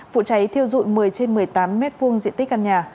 phụ cháy thiêu dụi một mươi trên một mươi tám mét vuông diện tích căn nhà